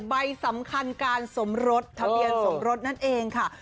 ใบสำคัญการสมรสทะเบียนสมรสนั่นเองค่ะ